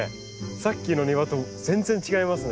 さっきの庭と全然違いますね。